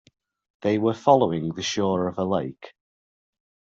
They were following the shore of a lake.